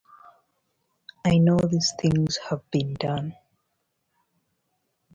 I know these things have been done.